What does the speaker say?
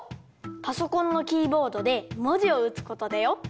パソコンのキーボードでもじをうつことだよ。